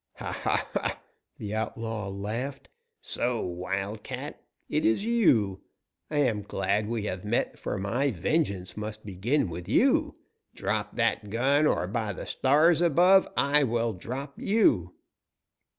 "Ha! ha! ha!" the outlaw laughed. "So, wildcat, it is you? I am glad we have met, for my vengeance must begin with you. Drop that gun, or, by the stars above, I will drop you!"